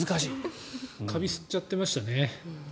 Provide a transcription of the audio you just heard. カビ吸っちゃってましたね。